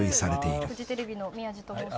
フジテレビの宮司と申します。